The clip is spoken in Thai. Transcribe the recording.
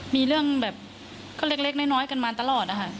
มีเรื่องแหละก็เล็กน้อยกันมาตลอด